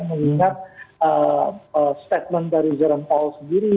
mengingat statement dari jerome paul sendiri